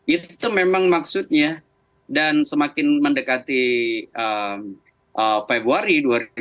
itu memang maksudnya dan semakin mendekati februari dua ribu dua puluh